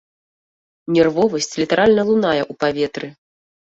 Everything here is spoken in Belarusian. Нервовасць літаральна лунае ў паветры.